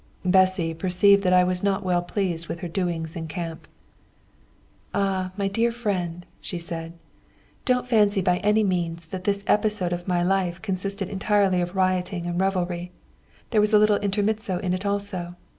Bessy perceived that I was not well pleased with her doings in camp. "Ah, my dear friend!" she said, "don't fancy by any means that this episode of my life consisted entirely of rioting and revelry, there was a little intermezzo in it also.